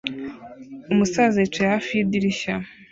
Umusaza yicaye hafi yidirishya